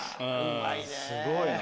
すごいな。